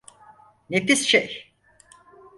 Ne pis şey!